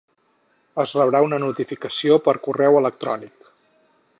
Es rebrà una notificació per correu electrònic.